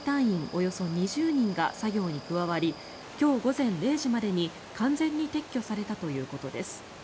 およそ２０人が作業に加わり今日午前０時までに、完全に撤去されたということです。